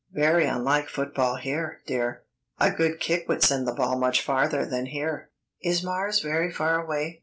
"Very unlike football here, dear. A good kick would send the ball much farther than here." "Is Mars very far away?"